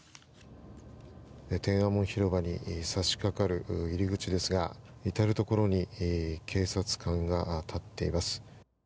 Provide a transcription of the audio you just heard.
天安門広場に差しかかる入り口ですが至るところに警察官が立っています。